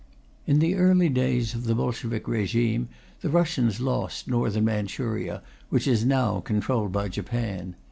In the early days of the Bolshevik régime the Russians lost Northern Manchuria, which is now controlled by Japan.